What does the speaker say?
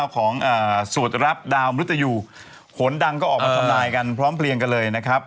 สวดรับดาวมรุตยูโขนดังก็ออกมาทำลายกันพร้อมเพลียงกันเลยนะครับ